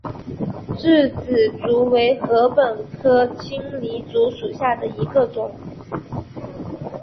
稚子竹为禾本科青篱竹属下的一个种。